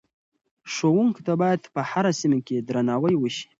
ښوونکو ته باید په هره سیمه کې درناوی وشي.